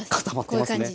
こういう感じ。